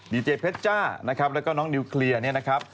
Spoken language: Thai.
ดีเจเพชจ้านะครับแล้วก็น้องนิวเคลียร์เนี่ยนะครับ